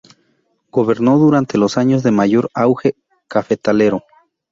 Gobernó durante los años de mayor auge cafetalero.